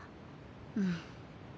うん。